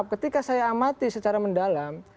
ketika saya amati secara mendalam